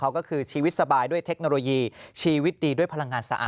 ก็คือชีวิตสบายด้วยเทคโนโลยีชีวิตดีด้วยพลังงานสะอาด